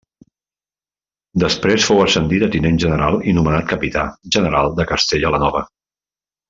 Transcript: Després fou ascendit a tinent general i nomenat Capità General de Castella la Nova.